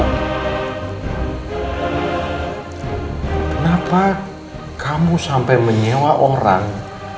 kenapa kamu sampai menyewa orang